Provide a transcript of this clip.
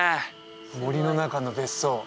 森の中の別荘